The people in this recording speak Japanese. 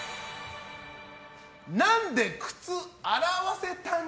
なんで靴洗わせたん？